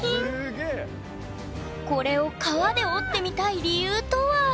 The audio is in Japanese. これを革で折ってみたい理由とは？